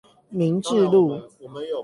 民治路